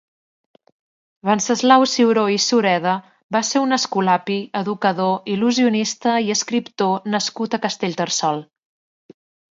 Wenceslau Ciuró i Sureda va ser un escolapi, educador, il·lusionista i escriptor nascut a Castellterçol.